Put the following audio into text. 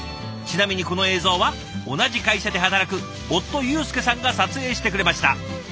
ちなみにこの映像は同じ会社で働く夫ユウスケさんが撮影してくれました。